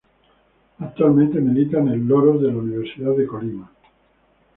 Actualmente milita en el Loros de la Universidad de Colima.